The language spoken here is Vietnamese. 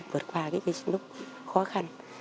vượt qua cái lúc khó khăn